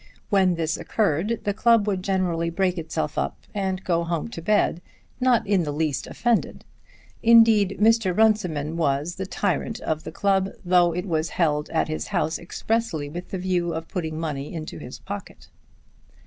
When this occurred the club would generally break itself up and go home to bed, not in the least offended. Indeed Mr. Runciman was the tyrant of the club, though it was held at his house expressly with the view of putting money into his pocket.